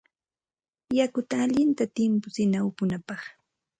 Yakuta allinta timputsina upunapaq.